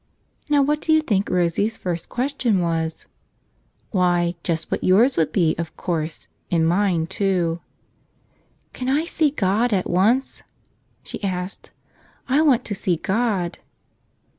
Now, what do you think Rosie's first question was? Why, just what yours would be, of course, and mine, too. "Can I see God at once?" she asked. "I want to see God."